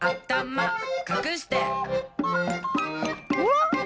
おっ！